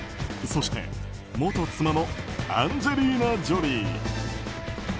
そして、元妻のアンジェリーナ・ジョリー。